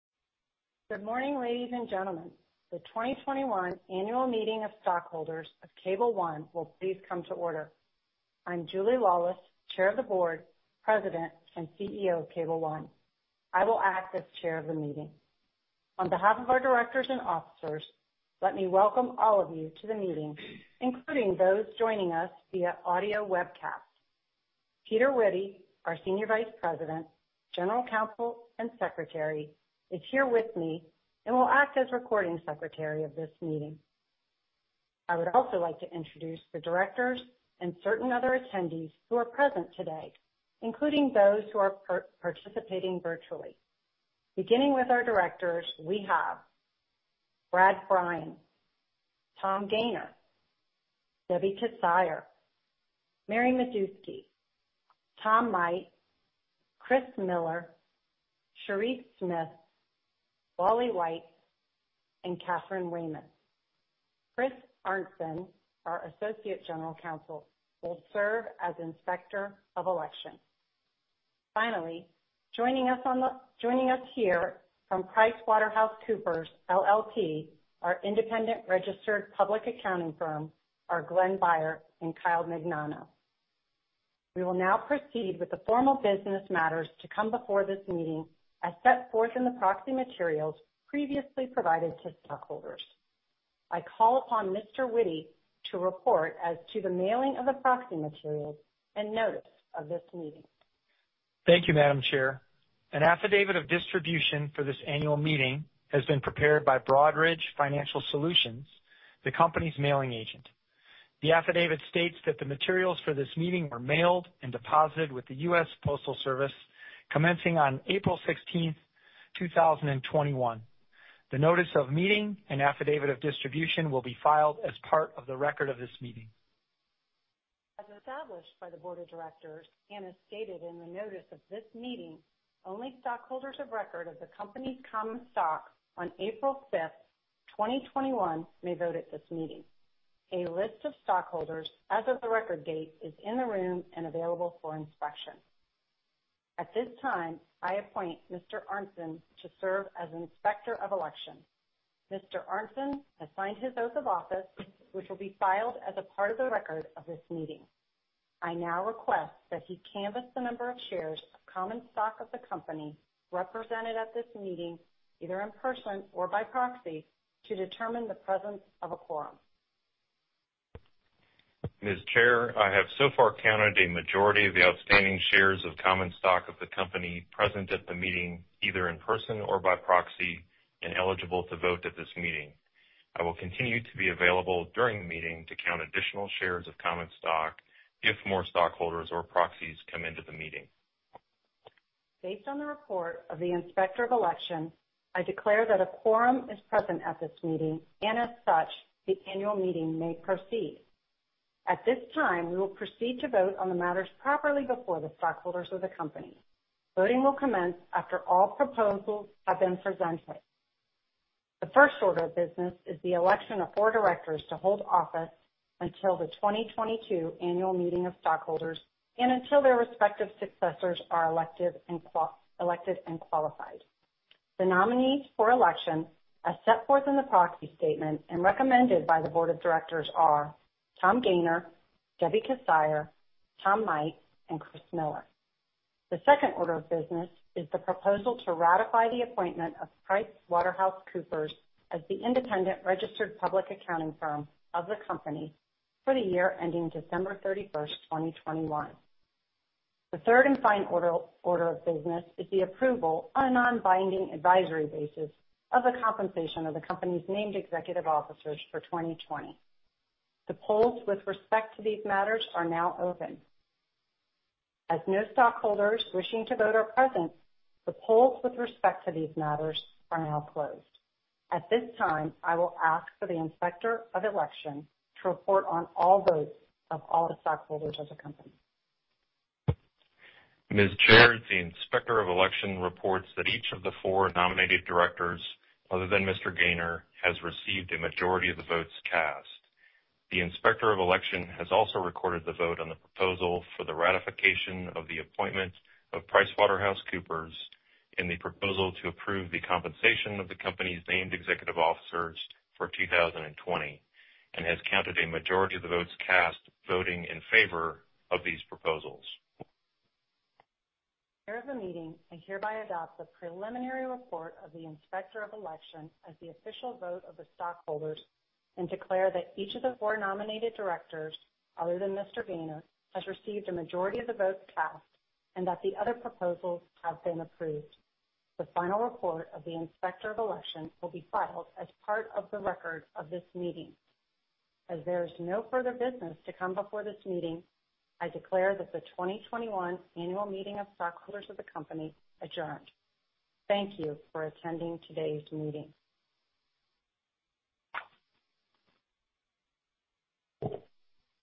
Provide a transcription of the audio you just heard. Good morning, ladies and gentlemen. The 2021 Annual Meeting of Stockholders of Cable One, will please come to order. I'm Julie Laulis, Chair of the Board, President, and CEO of Cable One. I will act as Chair of the meeting. On behalf of our directors and officers, let me welcome all of you to the meeting. Including those joining us via audio webcast. Peter Witty, our Senior Vice President, General Counsel, and Secretary is here with me. And will act as Recording Secretary of this meeting. I would also like to introduce the directors, and certain other attendees who are present today. Including those who are participating virtually. Beginning with our directors, we have Brad Brian, Tom Gayner, Deborah Kissire, Mary Meduski, Tom Might, Kris Miller, Sherrese Smith, Wally Weitz, and Katherine Lehman. Chris Arntzen, our Associate General Counsel, will serve as Inspector of Election. Finally, joining us here from PricewaterhouseCoopers LLP. Our Independent Registered Public Accounting Firm, are Glenn Beyer and Kyle Magnano. We will now proceed with the formal business matters, to come before this meeting. As set forth in the proxy materials, previously provided to stockholders. I call upon Mr. Witty to report. As to the mailing of the proxy materials, and notice of this meeting. Thank you, Madam Chair. An affidavit of distribution, for this Annual Meeting. Has been prepared by Broadridge Financial Solutions, the company's mailing agent. The affidavit states that the materials for this meeting were mailed, and deposited with the U.S. Postal Service, commencing on April 16th, 2021. The notice of meeting, and affidavit of distribution will be filed. As part of the record of this meeting. As established by the Board of Directors, and as stated in the notice of this meeting. Only stockholders of record of the company's common stock. On April 5th, 2021, may vote at this meeting. A list of stockholders as of the record date is in the room, and available for inspection. At this time, I appoint Mr. Arntzen to serve as Inspector of Election. Mr. Arntzen has signed his oath of office. Which will be filed, as a part of the record of this meeting. I now request that he canvass the number of shares. Of common stock of the company, represented at this meeting. Either in person or by proxy, to determine the presence of a quorum. Ms. Chair, I have so far counted a majority of the outstanding shares. Of common stock of the company present at the meeting. Either in person or by proxy, and eligible to vote at this meeting. I will continue to be available during the meeting, to count additional shares of common stock. If more stockholders or proxies come into the meeting. Based on the report of the Inspector of Election. I declare that a quorum is present at this meeting, and as such, the Annual Meeting may proceed. At this time, we will proceed to vote on the matters properly. Before the stockholders of the company. Voting will commence, after all proposals have been presented. The first order of business is the election of four directors. To hold office until the 2022 Annual Meeting of Stockholders. And until their respective successors are elected, and qualified. The nominees for election, as set forth in the Proxy Statement. And recommended by the Board of Directors are Tom Gayner, Deborah Kissire, Tom Might, and Kris Miller. The second order of business, is the proposal to ratify the appointment of PricewaterhouseCoopers. As the Independent Registered Public Accounting Firm of the company, for the year ending December 31st, 2021. The third, and final order of business is the approval on a non-binding advisory basis. Of the compensation of the company's named Executive Officers for 2020. The polls with respect to these matters are now open. As no stockholders wishing to vote are present. The polls with respect to these matters are now closed. At this time, I will ask for the Inspector of Election. To report on all votes, of all the stockholders of the company. Ms. Chair, the Inspector of Election reports that each of the four nominated directors. Other than Mr. Gayner, has received a majority of the votes cast. The Inspector of Election, has also recorded the vote on the proposal. For the ratification of the appointment of PricewaterhouseCoopers, in the proposal to approve the compensation. Of the company's named Executive Officers for 2020, and has counted a majority of the votes cast, voting in favor of these proposals. Chair of the meeting, I hereby adopt the preliminary report of the Inspector of Election. As the official vote of the stockholders, and declare that each of the four nominated directors. Other than Mr. Gayner, has received a majority of the votes cast. And that, the other proposals have been approved. The final report of the Inspector of Election will be filed, as part of the record of this meeting. As there is no further business to come before this meeting. I declare that the 2021 Annual Meeting of Stockholders of the company adjourned. Thank you for attending today's meeting.